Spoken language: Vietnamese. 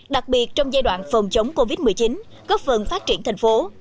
đặc biệt trong giai đoạn phòng chống covid một mươi chín góp phần phát triển thành phố